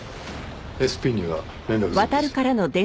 ＳＰには連絡済みです。